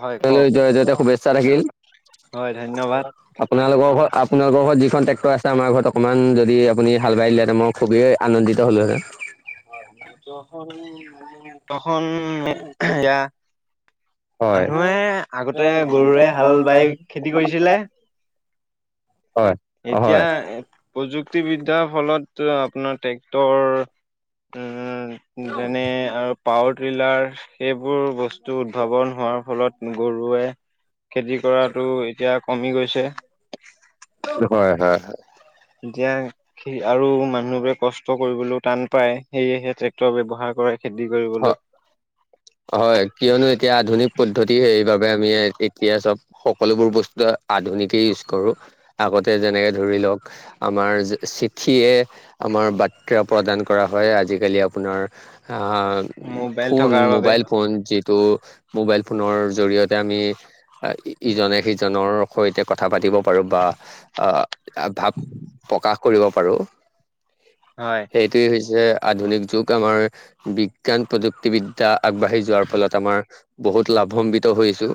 হয় তোমালৈ কওক জয় জয়তে শুভেচ্ছা থাকিল হয় ধন্যবাদ আপোনালোকৰ ঘৰত আপোনালোকৰ ঘৰত যিখন ট্ৰেক্টৰ আছে আমাৰ ঘৰত অকনমান যদি আপুনি হালবাই দিলেহেঁতেন মই খুবেই আনন্দিত হলোহেতেন ট্ৰেক্টৰখন এয়া হয়, মানুহে আগতে গৰুৱে হাল বাই খেতি কৰিছিলে হয়, হয়, এতিয়া হয়, প্ৰযুক্তিবিদ্যাৰ ফলত আপোনাৰ ট্ৰেক্টৰ উম যেনে আৰু পাৱাৰ ট্ৰিলাৰ সেইবোৰ বস্তু উদ্ভাৱন হোৱাৰ ফলত গৰুৱে খেতি কৰাটো এতিয়া কমি গৈছে। হয়-হয় হয় এতিয়া আৰু মানুহবোৰে কষ্ট কৰিবলৈও টান পায় সেয়েহে ট্ৰেক্টৰ ব্যৱহাৰ কৰে। খেতি হয় কৰিবলৈ হয় কিয়নো এতিয়া আধুনিক পদ্ধতি হেৰি আমি এতিয়া চব সকলোবোৰ বস্তু আধুনিকেই ইউজ কৰো আগতে যেনেকে ধৰি আমাৰ চিঠিয়ে আমাৰ বাৰ্তা প্ৰদান কৰা হয় আজিকালি আপোনাৰ আহ মোবাইল ফোন, থকাৰ বাবে মোবাইল ফোন ত' মোবাইল ফোনৰ জৰিয়তে আমি ইজনে-সিজনৰ সৈতে কথা পাতিব পাৰোঁ বা ভাৱ প্ৰকাশ কৰিব পাৰোঁ হয় সেইটোৱেই হৈছে আধুনিক যুগ আমাৰ বি জ্ঞান প্ৰযুক্তিবিদ্যা আগবাঢ়ি যোৱাৰ ফলত আমাৰ বহুত লাভান্বিত হৈছোঁ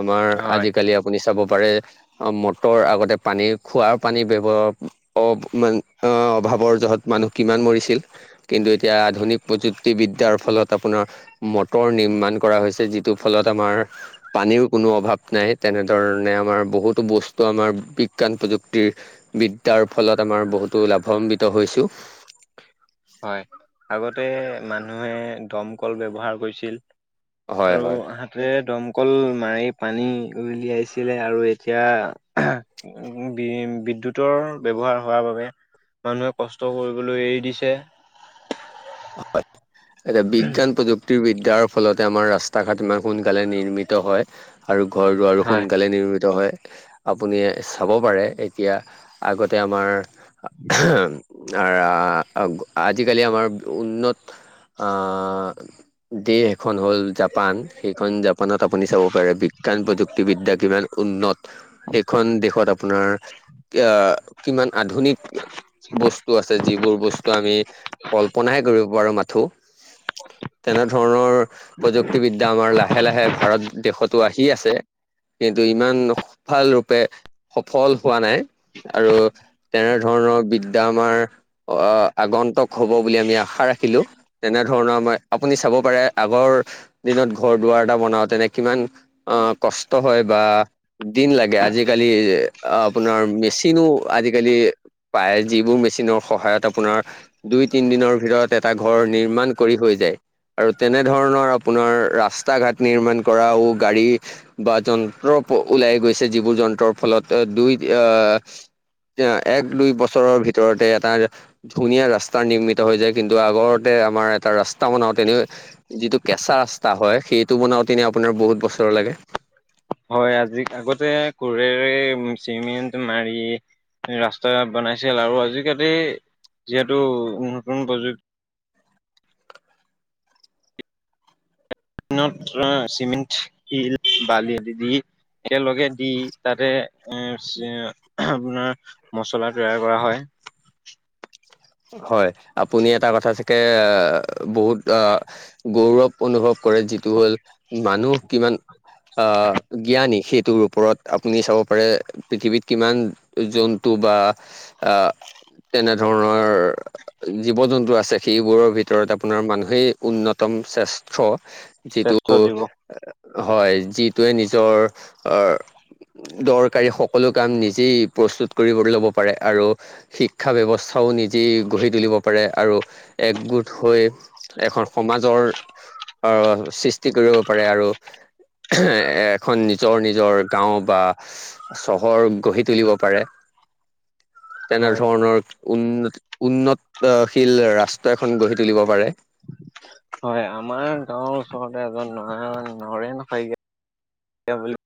আমাৰ হয় আজিকালি আপুনি চাব পাৰে মটৰ আগতে পানীৰ খোৱাৰ পানী ব্যৱহাৰ অ মানে অ অভাৱৰ জহত মানুহ কিমান মৰিছিল কিন্তু এতিয়া আধুনিক প্ৰযু ক্তি বিদ্যাৰ ফলত আপোনাৰ মটৰ নিৰ্মাণ কৰা হৈছে যিটো ফলত আমাৰ পানীৰ অভাৱ নাই তেনেধৰণে আমাৰ বহুতো বস্তু আমাৰ বিজ্ঞান প্ৰযুক্তিৰ বিদ্যাৰ ফলত আমাৰ বহুতো লাভান্বিত হৈছোঁ। হয় আগতে মানুহে দমকল ব্যৱহাৰ কৰিছিল। হয় আৰু হয় হাতে দমকল মাৰি পানী উলিয়াইছিলে আৰু এতিয়া বি-বিদ্যুতৰ ব্যৱহাৰ হোৱাৰ বাবে মানুহে কষ্ট কৰিবলৈ এৰি দিছে। [unintelligible] হয় এতিয়া বিজ্ঞান প্ৰযুক্তি বিদ্যাৰ ফলতে আমাৰ ৰাস্তাঘাট ইমান সোনকালে নিৰ্মিত হয় আৰু ঘৰ দুৱাৰো হয় সোনকালে নিৰ্মিত হয় আপুনি চাব পাৰে এতিয়া আগতে আমাৰ অহ আহ আজিকালি আমাৰ উন্নত আহ দিয়ে খন হ'ল জাপান সেইখন জাপানত আপুনি চাব পাৰে বিজ্ঞান প্ৰযুক্তিবিদ্যা কিমান উন্নত। সেইখন দেশত আপোনাৰ এ কিমান আধুনিক বস্তু আছে যিবোৰ বস্তু আমি কল্পনাহে কৰিব পাৰো মাথোঁ। তেনে ধৰণৰ প্ৰযুক্তিবিদ্যা আমাৰ লাহে-লাহে ভাৰত দেশত তটো আহি আছে কিন্তু ইমান ভাল ৰূপে সফল তু হোৱা নাই আৰু তেনেধৰণৰ বি এতিয়া আমাৰ আ-আগন্তক হ'ব চাব পাম বুলি আশা ৰাখিলোঁ। এনেধৰণৰ আপুনি চাব পাৰে আগৰ দিনত ঘৰ-দুৱাৰ এটা বনাও তেনে কিমান, আ কষ্ট হয় বা দিন লাগে আজিকালি [unintelligible] আপোনাৰ মেচিনো আজিকালি পায়, যিবোৰ মেচিনৰ সহায়ত আপোনাৰ দুই তিনিদিনৰ ভিতৰত এটা ঘৰ নিৰ্মাণ কৰি হৈ যায়। আৰু তেনেধৰণৰ আপোনাৰ ৰাস্তাঘাট নিৰ্মাণ কৰাও গাড়ী বা যন্ত্ৰ ওলাই গৈছে, যিবোৰ যন্ত্ৰৰ ফলত দুই আ এক দুই বছৰৰ ভিতৰতে এটা ধুনীয়া ৰাস্তা ৰাস্তা নিৰ্মিত হৈ যায়, কিন্তু আগতে আমাৰ এটা ৰাস্তা বনাওতেনে, যিটো কেঁচা ৰাস্তা হয়! সেইটো বনাওতেনে আপোনাৰ বহুত বছৰ লাগে। হয়, আজি আগতে কোৰেৰে চিমেণ্ট মাৰি ৰাস্তা বনাইছিল আৰু আজিকালি, যিহেতু নতুন প্ৰযুক্তি চিমেণ্ট, শিল, বালি দি দি একেলগে দি তাতে আ আপোনাৰ মচলা তৈয়াৰ কৰা হয়। [inaudible] হয়। আপুনি এটা কথা চাগে, এ বহুত অ গৌৰৱ অনুভৱ কৰে যিটো হ'ল, মানুহ কিমান আহ জ্ঞানী! সেইটো টোৰ ওপৰত আপুনি চাব পাৰে পৃথিৱীত কিমান জন্তু বা আ তেনে ধৰণৰ জীৱ-জন্তু আছে, সেইবোৰৰ ভিতৰত আপোনাৰ মানুহেই উন্নতম শ্ৰেষ্ঠ। যিটো, শ্ৰেষ্ঠ জীৱ হয়। যিটোৱে নিজৰ অ' দৰকাৰী সকলো কাম নিজেই প্ৰস্তুত কৰিব ল'ব পাৰে, আৰু শিক্ষা ব্যৱস্থা থাও নিজেই গঢ়ি তুলিব পাৰে। আৰু একগোট হৈ এখন সমাজৰ আ সৃষ্টি কৰিব পাৰে আৰু এখন নিজৰ নিজৰ গাঁও বা চহৰ গঢ়ি তুলিব পাৰে। তেনে হয় ধৰণৰ উন্ন-উন্নতশীল ৰাষ্ট্ৰ এখন গঢ়ি তুলিব পাৰে। হয়, আমাৰ গাঁওৰ ওচৰতে এজন নৰা-নৰেন শইকীয়া বুলি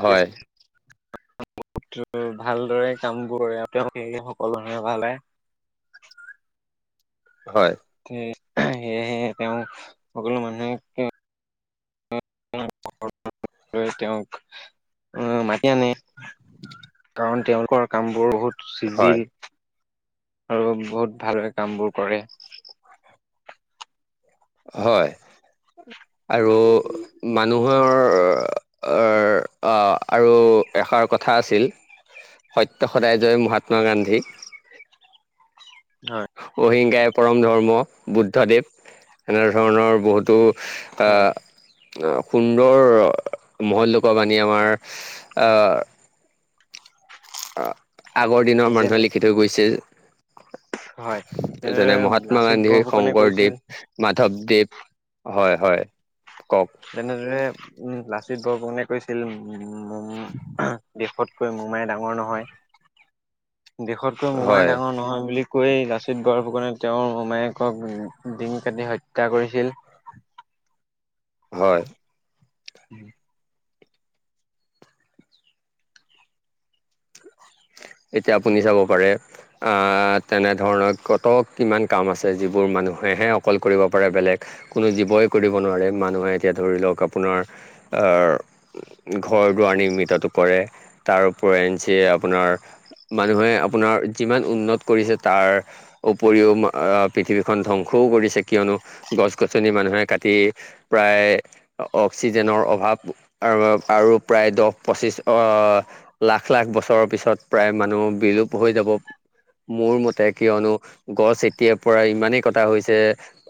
হয়। [unintelligible] ভালদৰে কামবোৰ তেওঁ সকলো [unintelligible] [inaudible] হয়। সেয়েহে তেওঁক সকলো মানুহে [unintelligible] তেওঁক মাতি আনে কাৰণ তেওঁলোকৰ কামবোৰ বহুত হয়, চিজিল। আৰু বহুত ভালেৰে কামবোৰ কৰে। হয়। আৰু মানুহৰ আৰু এষাৰ কথা আছিল, সত্য সদায় জয়- মহাত্মা গান্ধী হয় অহিংসাই পৰম ধৰ্ম- বুদ্ধদেৱ। এনে ধৰণৰ বহুতো হয় আ সুন্দৰ মহৎলোকৰ বাণী আমাৰ আ-আগৰ দিনৰ মানুহে যেনে লিখি থৈ গৈছে। হয় তেনেদৰে যেনে, মহাত্মা লাচিত গান্ধীৰ, বৰফুকনে কৈছিল শংকৰদেৱ, মাধৱদেৱ। হয় হয়। কওক তেনেদৰে উম, লাচিত বৰফুকনে কৈছিল মোম- দেশত কৈ মোমাই ডাঙৰ নহয়। দেশতকৈ মোমাই হয় ডাঙৰ নহয় বুলি কৈ লাচিত বৰফুকনে তেওঁৰ মমায়েকক ডিঙি কাটি হত্যা কৰিছিল। [inaudible] হয়। উম। এতিয়া আপুনি চাব পাৰে, তেনেধৰণৰ কত কিমান কাম আছে! যিবোৰ মান মানুহেহে অকল কৰিব পাৰে বেলেগ কোনো জীৱই কৰিব নোৱাৰে মানুহে এতিয়া ধৰি লওক আপোনাৰ ঘৰ দুৱাৰ নিৰ্মিতটো কৰে তাৰ পৰেঞ্চি আপোনাৰ মানুহে আপোনাৰ যিমান উন্নত কৰিছে তাৰ উপৰিও পৃথিৱীখন ধ্বংস- খও কৰিছে কিয়নো গছ গছনি মানুহে কাতি প্ৰায় অক্সিজেনৰ অভা- অৱ আৰু প্ৰায় দহ পঁচি অ লাখ লাখ বছৰৰ পিছত প্ৰায় মানুহ বিলোপ হৈ যাব মোৰ মতে কিয়নো গছ এতিয়াৰ পৰা ইমানেই কটা হৈছে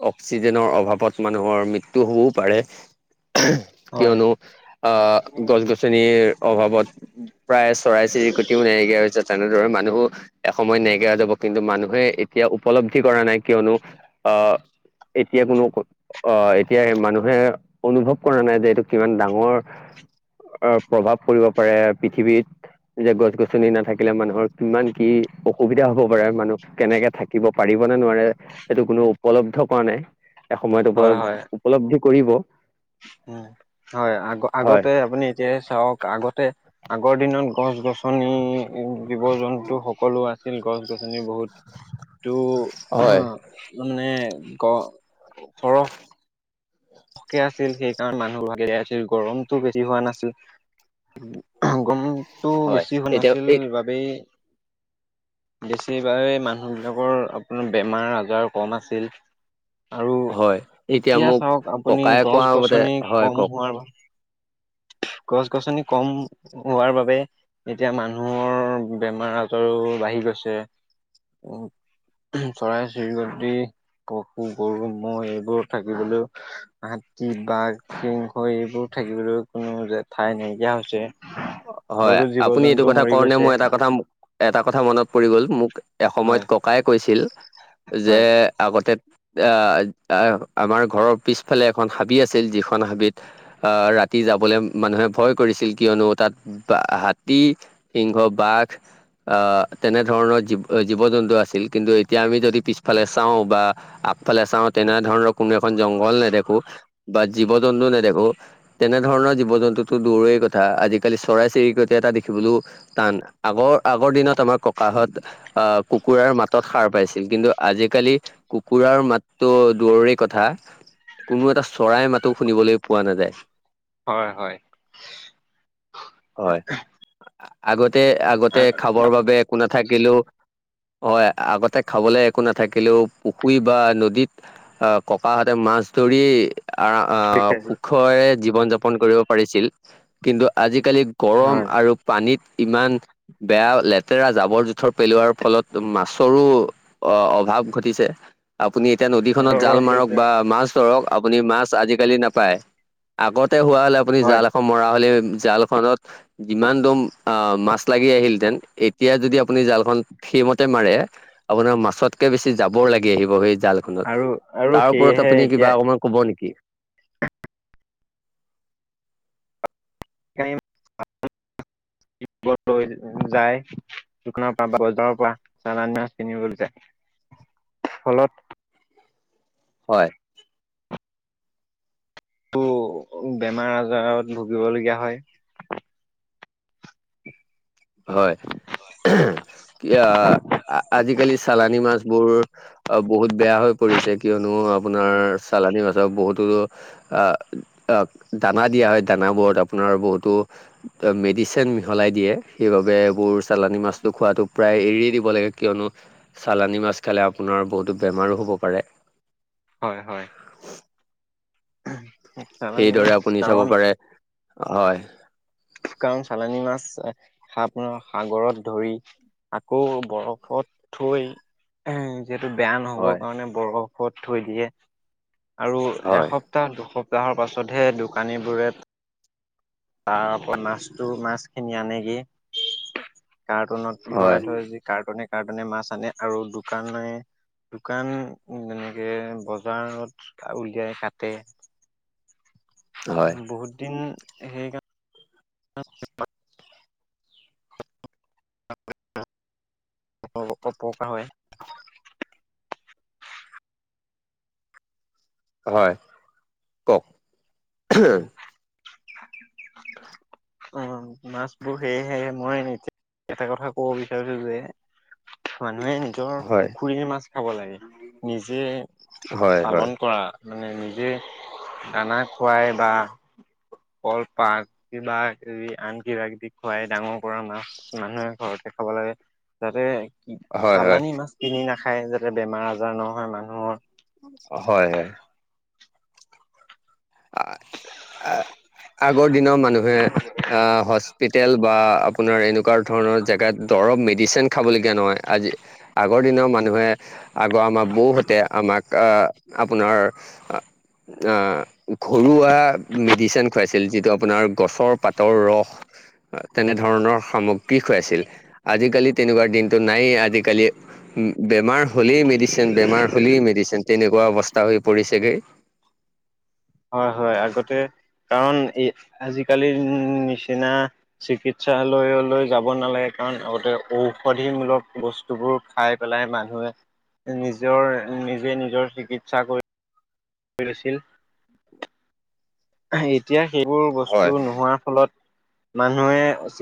অক্সিজেনৰ অভাৱ প্ৰভাৱত মানুহৰ মৃত্যু হ'বও পাৰে হয় কিয়নো আহ গছ গছনিৰ অভাৱত প্ৰায় চৰাই চিৰিকতিও নাই তেনেদৰে মানুহো এসময় নাইকিয়া হয় যাব কিন্তু মানুহে এতিয়া উপলব্ধি কৰা নাই কিয়নো অ এতিয়া কোনো আহ এতিয়া মানুহে অনুভৱ কৰা নাই যে এইটো কিমান ডাঙৰ অ প্ৰভাৱ পৰিব পাৰে পৃথিৱীত যে, গছ গছনি। আচনি নাথাকিলে মানুহৰ কিমান কি অসুবিধা হব পাৰে মানুহ কেনেকে থাকিব পাৰিব নে নোৱাৰে। সেইটো কোনো উপলব্ধ কৰা নাই, এসময়ত উপ উপলব্ধি কৰিব। উ হয় আগ হয় আগতে আপুনি এতিয়া চাওক আগতে। আগৰ দিনত গছ গছনি জীৱ জন্তু সকলো আছিল গছ গছনি। নি বহুত, তটো, হয় মানে। গ ঘৰ। পকে আছিল সেইকাৰণে মানুহে আছিল গৰমটো বেছি হোৱা নাছিল। [unintelligible] টো হয় বেছি শু এতিয়া নাছিল এই বাবেই। [unintelligible] বেছিভাগেই মানুহবিলাকৰ আপোনাৰ বেমাৰ আজাৰ কম আছিল। আৰু, হয় এতিয়া মোক চাওক আপুনি ককায়ে কোৱা গছ মতে গছনি হয় ক কম হোৱাৰ বাবে। [unintelligible] গছ গছনি কম, হোৱাৰ বাবে এতিয়া মানুহৰ বেমাৰ আজাৰো বাঢ়ি। গৈছে, উ চৰাই চিৰিকটি। পশু গৰু ম'হ এইবোৰ থাকিবলৈও, হাতী বাঘ সিংহ এইবোৰ। থাকিবলৈ কোনো যে ঠাই নাইকিয়া হৈছে। হয় বহুতো জীৱ আপুনি এইটো জন্তু কথা ক মৰি নে গৈছে মোৰ, এটা কথা এটা কথা মনত পৰি গ'ল মোক। এসময়ত হয় ককাই কৈছিল, যে হয় আগতে। আহ আমাৰ ঘৰৰ পিছফালে এখন হাবি আছিল, যিখন হাবিত আহ ৰা। ৰাতি যাবলৈ মানুহে ভয় কৰিছিল কিয়নো। তাত বা হাতী সিংহ বাঘ। আহ তেনেধৰণৰী জীৱ জন্তু আছিল কিন্তু এতিয়া আমি যদি পিছফালে চাওঁ বা। আগফালে চাওঁ তেনেধৰণৰ কোনো এখন জংঘল নেদখো, বা জীৱ জন্তু নেদেখো তেনেধৰণৰ। ৰণৰ জীৱ জন্তুতো দৌৰেই কথা আজি। কালি চৰাই চিৰিকত এটা দেখিবলৈ টান, আগৰ আগৰ দিনত আমাক ককাহত আহ ক। কুকুৰাৰ মাতত সাৰ পাইছিল কিন্তু আজিকালি, কুকুৰাৰ মাতটো দূৰৰে কথা। কোনো এটা চৰাই মাতো শুনিবলৈ পোৱা নাযায়। হয় হয়। হয় আগতে আগতে খাবৰ বাবে একো নাথাকিলে। হয় আগতে খাবলে একো নাথাকিলেও পুখুৰী বা নদীত ককাহঁতে ম। মাছ ধৰি। আ দেখিছো সুখৰে জীৱন যাপন কৰিব পাৰিছিল, কিন্তু আজি। আজিকালি গৰম হয় আৰু পানীত। ইমান বেয়া লেতেৰা জাবৰ জোথৰ পেলোৱাৰ ফলত মাছৰো অ অভাৱ। ঘটিছে আও আপুনি এতিয়া নদীখনত জাল অভাৱ মাৰক গৈছে বা মাছ ধৰক আপুনি মাছ আজিকালি নাপায় আগত। হোৱা হ'লে আপুনি হয় জাল এখন মৰা হলে জাল। ত যিমান দম মাছ লাগি আহিলহেতেন এতিয়া যদি আপুনি জালখন সেইমতে মাৰে আপোনাৰ মাছতকে বেছি যাবৰ লাগি আহিব সেই জালখনত আৰু আৰু তাৰ ওপৰত সেয়েহে আপুনি কিবা এতিয়া অকণমান কব নেকি? সেইকাৰণে [inaudible] সেইবোৰত লৈ যায় দোকানৰ পৰা বা বজাৰৰ পৰা চালনী মাছ কিনিবলৈ যায়। [inaudible] ফলত হয়। তো বেমাৰ আজাৰত ভুগিব লগীয়া হয়। হয়। কি অহ আজিকালি চালানি মাছ বোৰ বহুত বেয়া হৈ পৰিছে কিয়নো আপোনাৰ চালানিমাছক বহুতো আ আ দানা দিয়া হয় দানাবোৰত আ পোনাৰ বহুতো মেডিচিন মিহলাই দিয়ে। সেইবাবে এইবোৰ চালানি মাছটো খোৱাটো প্ৰায় এৰিয়ে দিব লাগে কিয়নো চালানি মাছ খালে আপুনি আপোনাৰ বহুতো বেমাৰো হ'ব পাৰে। হয় হয়। [unintelligible] সেইদৰে মাছ আপুনি চাব কাৰণ পাৰে হয়। কাৰণ চালানী মাছ হতনো সাগৰত ধৰি আকৌ বৰফত থৈ এহ যিহেতু বেয়া নহ'বৰ হয় কাৰণে বৰফৰ ওপৰত থৈ দিয়ে আৰু হয় এসপ্তাহ দুসপ্তাহ হৰ পাছতহে দোকানীবোৰে তাৰপৰা মাছটো মাছখিনি আনেগে। কাৰ্টুনত হয় ভৰাই থৈ যি কাৰ্টুনে কাৰ্টুনে মাছ আনে আৰু দোকানে মানে দোকান যেনেকে বজাৰত উলিয়াই কাটে। হয় বহুত দিন সেইকাৰণে। [unintelligible] অপকাৰ হয়। হয় কওক। [unintelligible] অ মাছবোৰ সেয়েহে মই এতিয়া এটা কথা কব বিচাৰিছো যে। মানুহে নিজৰ হয় পুখুৰীৰ মাছ খাব লাগে নিজে হয় হয় পালন কৰা মানে নিজে দানা খুৱাই বা কলপাত কিবা কিবি আন কিবা কিবি খুৱাই ডাঙৰ কৰা মাছ মানুহে ঘৰত খাব লাগে যাতে হয় হয় চালানি মাছ কিনি নাখায় যাতে বেমাৰ আজাৰ নহয় মানুহৰ হয় হয় আগৰ দিনৰ মানুহে অহ সঁচ টি তেল বা আপোনাৰ এনেকোৱা ধৰণৰ জেগাত দৰপ মি ডিচেণ্ট খাবলগীয়া নহয় আজি আগৰ দিনৰ মানুহে আগৰ আমাৰ বৌহতে আমাক আপোনাৰ আ। ঘৰুৱা মেডিচেন খুৱাইছিল যিটো আপোনাৰ গছৰ পাতৰ ৰস। তেনেধৰণৰ সামগ্ৰী খুৱাইছিল। আজিকালি তেনেকোৱা দিনটো নায়েই আজিকালি বেমাৰ হলেই মেডিচেন, বেমাৰ হলেই মেডিচিন তেনেকোৱা অৱস্থা হৈ পৰিছেগে। [unintelligible] হয় হয় আগতে। কাৰণ এই আজিকালিৰ নিচিনা, চিকিৎসালয়লৈ যাব নালাগে। কাৰণ আগতে ঔষধিমূলক বস্তুবোৰ খাই পেলাই মানুহে। নিজৰ, নিজে নিজৰ চিকিৎসা কৰি। ছিল। এতিয়া? সেইবোৰ বস্তু নোহোৱাৰ ফলত, মানুহে উচিত।